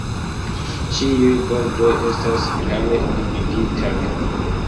Ĉiuj bordoj estas klare limigitaj.